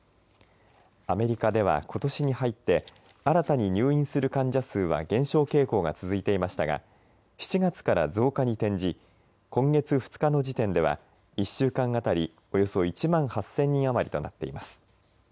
アメリカでは、ことしに入って新たに入院する患者数は減少傾向が続いていましたが７月から増加に転じ今月２日の時点では１週間当たりおよそ１万８０００人余りとなっています。